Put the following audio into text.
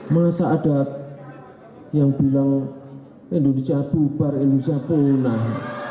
masa adat yang bilang indonesia bubar indonesia punah